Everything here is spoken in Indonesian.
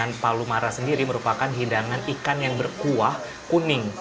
makanan palu marah sendiri merupakan hidangan ikan yang berkuah kuning